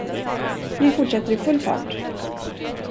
Vi fortsätter i full fart.